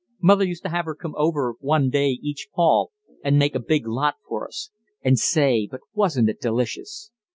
Mother used to have her come over one day each fall and make a big lot for us. And, say, but wasn't it delicious!